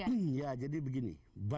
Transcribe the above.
iya jadi begini